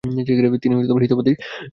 তিনি 'হিতবাদী' র সম্পাদক হন।